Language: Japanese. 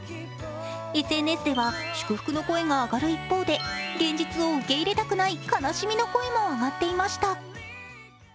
ＳＮＳでは祝福の声が上がる一方で現実を受け入れたくない悲しみの声も上がっていました。